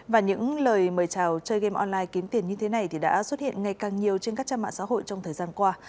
và những lời mời chào chơi game online kiếm tiền như thế này thì đã xuất hiện ngày càng nhiều trên các trang mạng xã hội trong thời gian qua